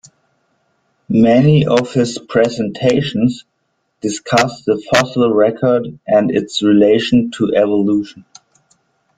Many of his presentations discuss the fossil record and its relation to evolution.